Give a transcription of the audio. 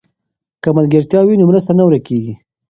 که ملګرتیا وي نو مرسته نه ورکېږي.